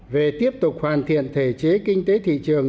về tiếp tục hoàn thiện thể chế kinh tế thị trường